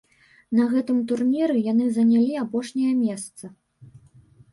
На гэтым турніры яны занялі апошняя месца.